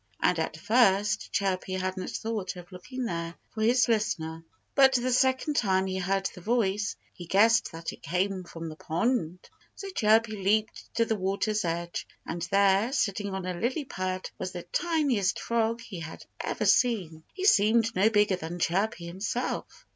And at first Chirpy hadn't thought of looking there for his listener. But the second time he heard the voice he guessed that it came from the pond. So Chirpy leaped to the water's edge; and there, sitting on a lily pad, was the tiniest Frog he had ever seen. He seemed no bigger than Chirpy himself.